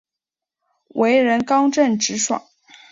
为人刚正直爽。